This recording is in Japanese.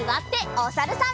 おさるさん。